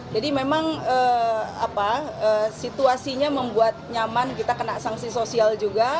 jadi memang situasinya membuat nyaman kita kena sanksi sosial juga